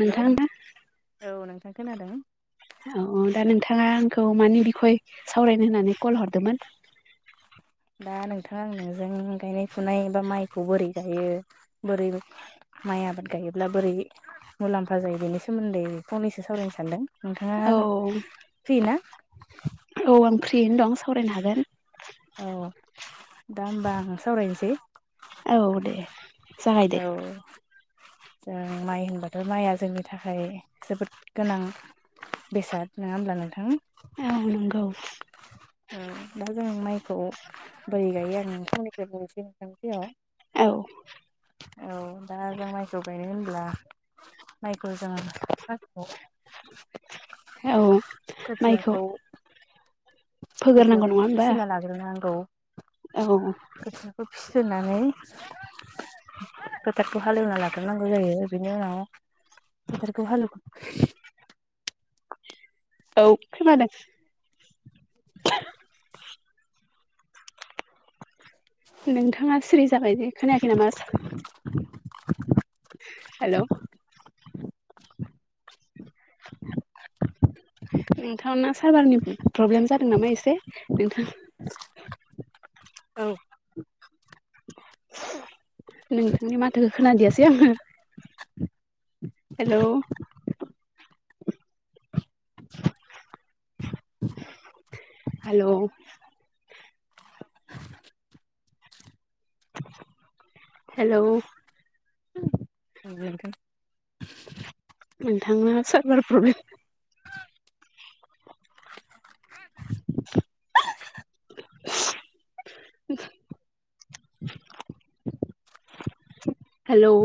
हेल' औ नोंथां खोनादों औ औ दा नोंथाङा आंखौ मानि बिखय सावरायनो होननानै कल हरदोंमोन [inaudible] दा नोंथाङा आं नोंजों गायनाय फुनाय बा माइखौ बोरै गायो बोरै माइ आबाद गायोब्ला बोरै मुलाम्फा जायो बेनि सोमोन्दै फंनैसो सावरायनो सानदों औ नोंथाङा फै ना औ आं फ्रियैनो दं सावरायनो हागोन औ दा होमबा आं सावरायनोसै औ दे जागायदो औ जों माइ होनबाथ' माइआ जोंनि थाखाय जोबोद गोनां बेसाद नङा होमब्ला नोंथां औ नंगौ दा जों माइखौ बोरै गायो आं नोंथांनिफ्राय बुंनोसै नोंथां औ [unintelligible] औ दा जों माइखौ गायनो होनदों अब्ला माइखौ जोङो मखौ औ माइखौ खोथियाखौ फोगोरनांगौ खोथियाखौ नङा होमबा फिसिना लाग्रांगौ औ खोथियाखौ फिजनानै फोथारखौ हालेवना लाद्रनांगौ जायो बेनि उनाव [unintelligible] औ खोनादों नोंथाङा सिरि जाबायदिे खोनायाखै नामा सार [inaudible] हेल' नोंथांनो सारभारनि प्रब्लेम जादों नामा एसे नोंथां [inaudible] औ नोंथांनि माथोखौ खोनादियासै आङो हेलौ [inaudible] हेल' हेल' [inaudible] नोंथांनो सारभार प्रब्लेम [inaudible] [inaudible] हेल'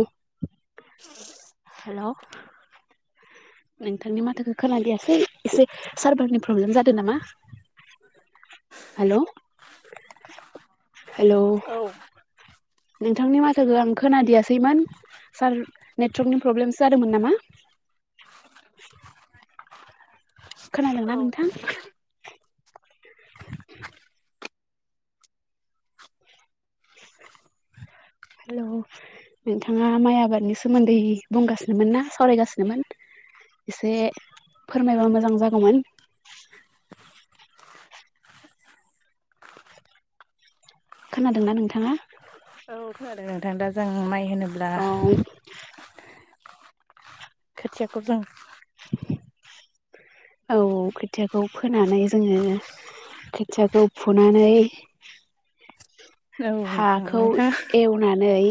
[inaudible] हेल' नोंथांनि माथोखौ खोनादयासै एसे सारभारनि प्रब्लेम जादों नामा हेल' हेल' औ नोंथांनि माथखौ आं खोनादियासैमोन सार नेटवर्कनि प्रब्लेमसो जादोंमोन नामा खोनादोंना नोंथां? हेल' नोंथाङा माइ आबादनि सोमोन्दै बुंगासिनोमोन ना सावरायगासिनोमोन? एसे फोरमायबा मोजां जागौमोन? खोनादोंना नोंथाङा? औथ' आरो नोंथां दा जों माइ होनोब्ला औ खोथियाखौ जों औ खोथियाखौ फोनानै जोङो खोथियाखौ फुनानै औ नोंथां हाखौ नोंथाङा एवनानै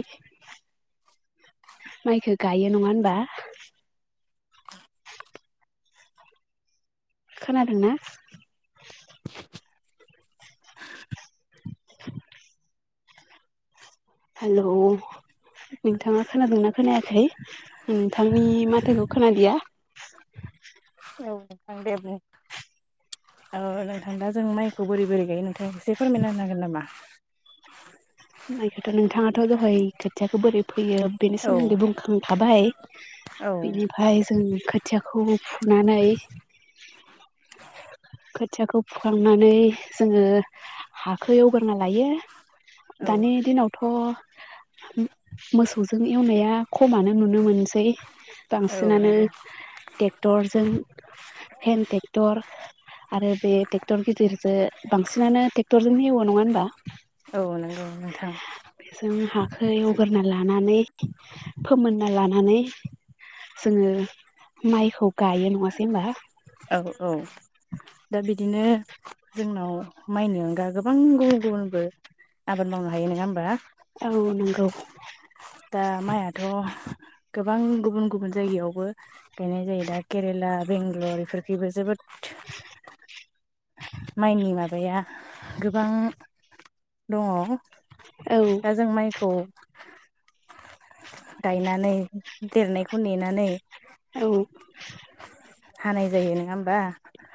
माइखो गायो नङा होनबा? खोनादोंना? [inaudible] हेल' नोंथाङा खोनादोंना खोनायाखै नोंथांनि माथोखौ खोनादिया? औ नोंथां दे बुं। औ नोंथां दा जों माइखौ बोरै बोरै गायो नोंथाङा एसे फोरमायना होनो हागोन नामा? माइखौथ' नोंथाङाथ' दहाय खोथियाखौ बोरै फो यो बेनि औ सोमोन्दै बुंखांखाबाय औ बेनिफ्राय जों खोथिया खौ फुनानै खोथियाखौ फुखांनानै जोङो हाखौ एवग्रोना लायो औ दानि दिनावथ' मोसौजों एवनाया खमानो नुनो मोनसै औ बांसिनानो नंगौ ट्रेक्टरजों हेन्द ट्रेक्टर आरो बे ट्रेक्टर गिदिरजों बांसिनानो ट्रेक्टरजों एवो नङा होनबा? औ नंगौ नोंथां। जों हाखौ एवग्रोना लानानै फोमोनना लानानै जोङो माइखौ गायो नङासै हबा? औ औ। दा बिदिनो जोंनाव माइनो अनगा गोबां गुबुन गुबुनबो आबाद मावनो हायो नङा होमबा? औ नंगौ। दा माइयाथ' गोबां गुबुन गुबुन जायगायावबो गायनाय जायो दा केरेला बेंगलर इफोरखिबो जोबोद [inaudible] माइनि माबाया गोबां दङ। औ दा जों माइखौ गायनानै देरनायखौ नेनानै औ हानाय जायो नङा होमबा?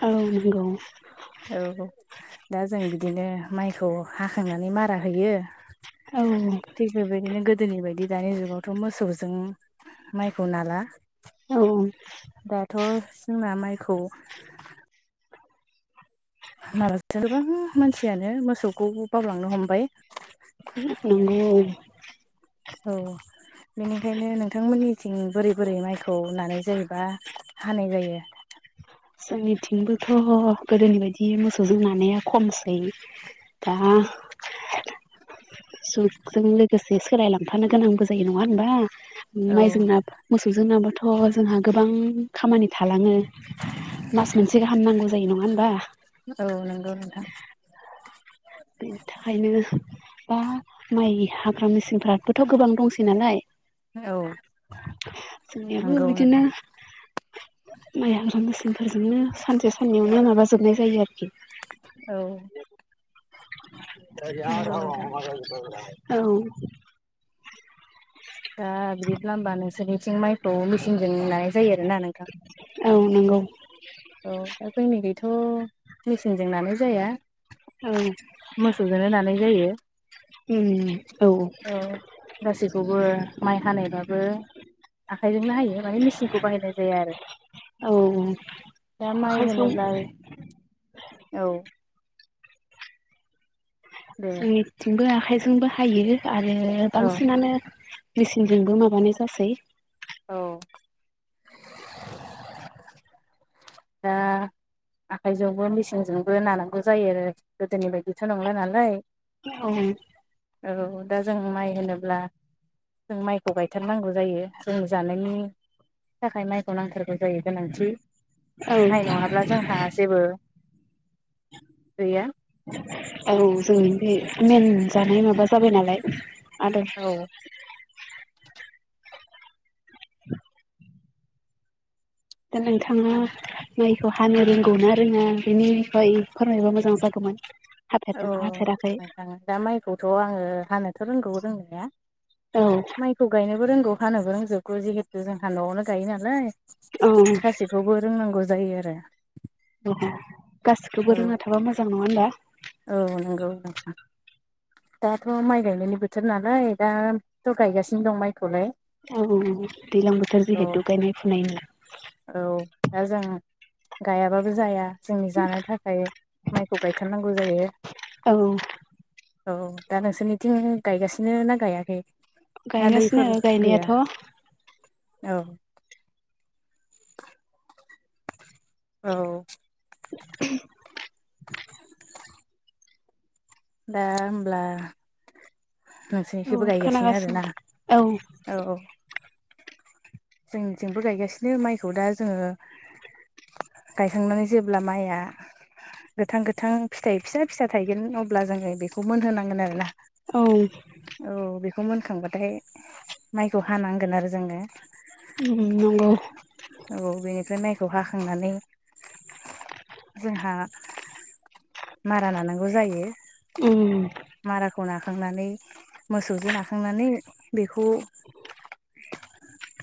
औ नंगौ औ दा जों बिदिनो माइखौ हाखांनानै मारा होयो औ थिगबेबायदिनो गोदोनि बायदि दानि जुगावथ' मोसौजों माइखौ नाला। औ। दाथ' जोंना माइखौ माबा गोबां मानसियानो मोसौखौ बावलांनो हमबाय। नंगौ औ। बेनिखायनो नोंथांमोननिथिं बोरै बोरै माइखौ नानाय जायोबा हानाय जायो? [inaudible] जोंनिथिंबोथ' गोदोनि बायदि मोसौजों नानाया खमसै दा जुगजों लोगोसे सोलाय लांफानो गोनांबो जायो नङा होमबा? औ माइजों ना मोसौजों नाबाथ' जोंहा गोबां खामानि थालाङो मास मोनसे गाहाम नांगौ जायो नङा होमबा? औ नंगौ नोंथां बेनि थाखायनो दा माइ हाग्रा मेचिनफ्राबोथ' गोबां दंसै नालाय औ जोंनियाबो नंगौ बिदिनो नोंथां माइ हाग्रा मेसिनफोरजोंनो सानसे साननैयावनो माबाजोबनाय जायो आरोखि। औ नंगौ नोंथां [unintelligible] औ। दा बिदिब्ला होनबा नोंसोरनि थिं माइखौ मेसिनजों नानाय जायो आरोना नोंथां? औ नंगौ औ दा जोंनि खैथ' मेसिनजों नानाय जाया औ मोसौजोंनो नानाय जायो। औ। गासैखौबो माइ हानायबाबो आखाइजोंनो हायो माने मेचिनखौ बाहायनाय जाया आरो‌ औ-औ। दा माइ होनोब्लाय औ। दे जोंनिथिंबो आखाइजोंबो हायो आरो औ बांसिनानो मेचिनजोंबो माबानाय जासै। औ। [unintelligible] दा आखाइजोंबो मेचिनजोंबो नानांगौ जायो आरो गोदोनि बायदिथ' नंला नालाय। औ। औ दा जों माइ होनोब्ला जों माइखौ गायथारनांगौ जायो। जों जानायनि थाखाय माइखौ नांथारगौ जायो गोनांथि। औ माइ नङाब्ला जोंहा। जेबो गैया। औ जोंनि बे मेन जानाय माबा जाबाय नालाय। आदार औ दा नोंथाङा माइखौ हानो रोंगौना रोङा बेनि बिखय फोरमायबा मोजां जागौमोन। [unintelligible] औ औ हाफेराखै नोंथां। दा माइखौथ' आङो हानोथ' रोंगौ रोंनाया। औ माइखौ गायनोबो रोंगौ हानोबो रोंजोब [unintelligible] जिहेथु जोंहा न'आवनो गायो नालाय। औ गासैखौबो रोंनांगौ जायो आरो। [unintelligible] गासिखौबो रोंना थाबा मोजां नङा होनबा? औ नंगौ दाथ' माइ गायनायनि बोथोर नालाय दा थ' गायगासिनो दं माइ। औ दैलां बोथोर औ जिहेतु गायनाय फुनाय नि। औ दा जों गायाबाबो जाया। जों जानो थाखाय माइखौ गायथारनांगौ जायो। औ औ दा नोंसोरनिथिं गायगासिनो ना गायाखै? ना गायगासिनो दैफोर गायनायाथ' गैया? औ। औ। [unintelligible] दा होमब्ला। औ नोंसोरनिखैबो गायगासिनो खोनागासिनो आरोना? औ औ-औ। जोंनिजोंबो गायगासिनो माइखौ दा जोङो गायखांनानै जेब्ला माइआ गोथां-गोथां फिथाइ फिसा-फिसा थायगोन अ अब्ला जोङो बेखौ मोनहोनांगोन। आरोना? औ। औ बेखौ मोनखांबाथाय माइखौ हानांगोन आरो जोङो। ओम नंगौ। जहाखांनानै जोंहा मारा नानांगौ जायो ओम माराखौ नाखांनानै मोसौजों नाखांनानै बेखौ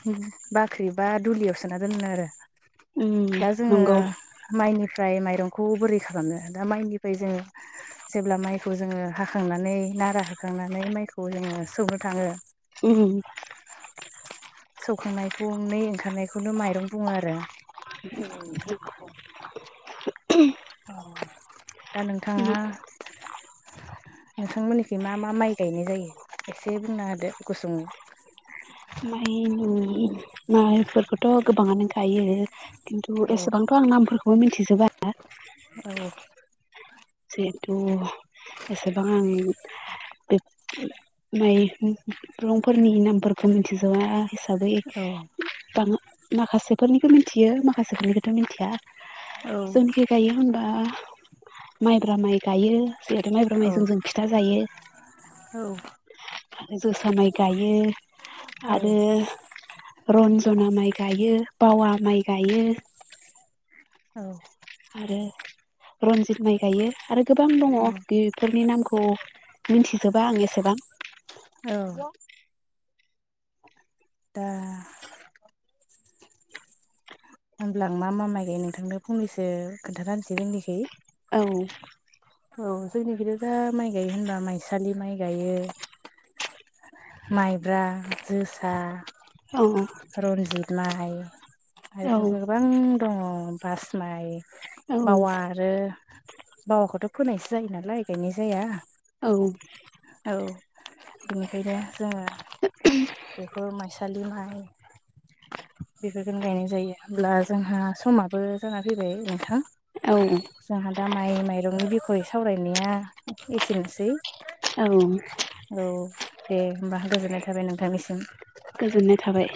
ओ बाख्रि बा दुलियाव सोना दोनो आरो उम दा जोङो नंगौ माइनिफ्राय माइरंखौ बोरै खालामनो दा माइनिफ्राय जोङो जेब्ला माइखौ जोङो हाखांनानै नारा होखांनानै माइखौ जोङो सौनो थाङो उम सौखांनायखौ नै ओंखारनायखौनो माइरं बुङो आरो औ दा नोंथाङा नोंथांमोननिखै मा मा माइ गायनाय जायो एसे बुंना होदो गुसङै माइ-माइफोरखौथ' गोबाङानो गायो खिन्थु औ एसेबांथ' आं नामफोरखौबो मिथिजोबा जिहेथु एसेबां आं बे माइरंफोरनि नामफोर मिथिजाया हिसाबै औ [unintelligible] माखासेफोरनिखौ मिथियो माखासेफोरनिखौथ' मिथिया औ औ जोंनिखै गायो होनबा माइब्रा माइ गायो जिहेथु माइब्रा औ माइजों जों फिथा जायो आरो जोसा माइ गायो औ आरो रनज'ना माइ गायो बावा माइ गायो औ आरो रनजित माइ गायो आरो गोबां दङ औ बेफोरनि नामखौ मिनथिजोबा आं एसेबां औ दा होनब्ला आं मा मा माइ गायो नोंथांनो फंनैसो खोन्थानाहोसै जोंनिखै ओं औ जोंनिफ्रायथ' दा माइ गायो होनबा माइसालि माइ गायो माइब्रा जोसा औ रन्जित माइ औ आरो गोबां दङ बास माइ बावा आरो बावाखौथ' फोनायसो जायो नालाय गायनाय जाया औ औ बिनिखायनो जोङो बेखौ माइसालि माइ बेफोरखौनो गायनाय जायो होमब्ला जोंहा समाबो जाना फैबाय नोंथां जोंहा दा माइ माइरंनि बिखय सावरायनाया एसेनोसै औ औ दे होमबा गोजोननाय थाबाय नोंथांनिसिम गोजोननाय थाबाय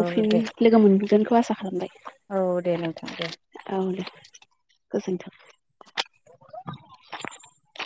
औ फिन दे लोगो मोनगोनखौ आसा खालामबाय औ दे नोंथां दे औ दे गोजोन्थों [inaudible]